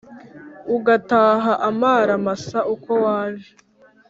ugataha amaramasa uko waje